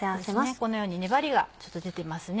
このように粘りがちょっと出てますね。